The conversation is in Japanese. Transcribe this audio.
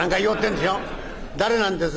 誰なんです？」。